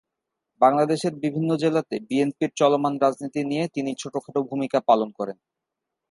বাংলাদেশের বিভিন্ন জেলাতে বিএনপির চলমান রাজনীতি নিয়ে তিনি ছোটখাটো ভূমিকা পালন করেন।